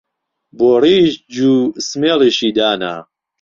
بۆ ڕیش جوو سمێڵیشی دانا